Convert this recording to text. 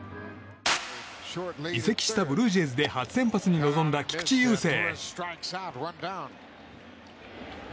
移籍したブルージェイズで初先発に臨んだ菊池雄星。